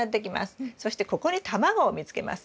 そしてここに卵を産みつけます。